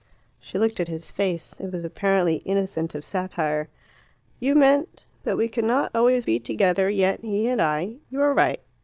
She looked at his face. It was apparently innocent of satire. "You meant that we could not always be together yet, he and I. You are right.